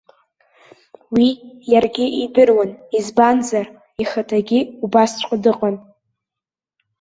Уи иаргьы идыруан, избанзар, ихаҭагьы убасҵәҟьа дыҟан.